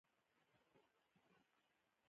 يوه شېبه غلی و.